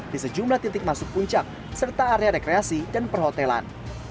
di sejumlah titik masuk puncak serta area rekreasi dan perhotelan